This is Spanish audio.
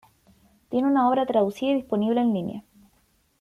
Tiene una obra traducida y disponible en línea.